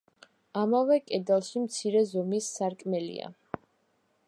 ამავე კედელში მცირე ზომის სარკმელია.